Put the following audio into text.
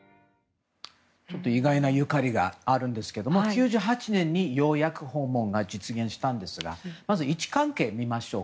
ちょっと意外なゆかりがあるんですけど１９９８年にようやく訪問が実現したんですがまず位置関係を見ましょう。